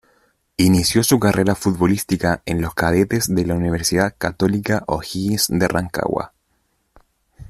Inició su carrera futbolística en los cadetes de la Universidad Católica O’Higgins de Rancagua.